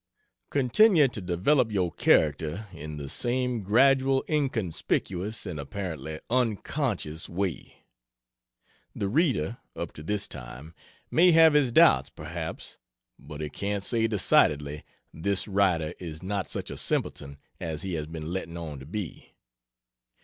Continue to develop your character in the same gradual inconspicuous and apparently unconscious way. The reader, up to this time, may have his doubts, perhaps, but he can't say decidedly, "This writer is not such a simpleton as he has been letting on to be."